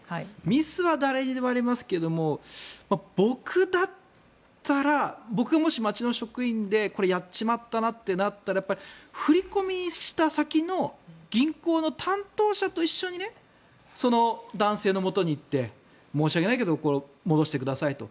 ミスは誰にでもありますけど僕だったら僕がもし町の職員でこれ、やっちまったなってなったら振り込みした先の銀行の担当者と一緒に男性のもとに行って申し訳ないけど戻してくださいと。